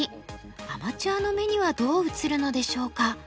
アマチュアの目にはどう映るのでしょうか？